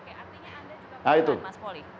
artinya anda juga perlukan mas poli